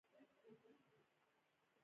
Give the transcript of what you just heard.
ته بيا هم د سياست په رموزو نه پوهېږې.